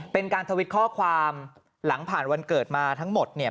เป็นการทวิตข้อความหลังผ่านวันเกิดมาทั้งหมดเนี่ย